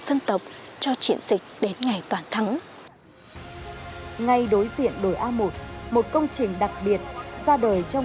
dân tộc cho triển dịch đến ngày toàn thắng ngay đối diện đồi a một một công trình đặc biệt ra đời trong